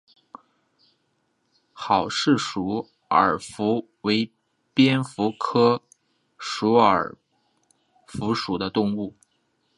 郝氏鼠耳蝠为蝙蝠科鼠耳蝠属的动物。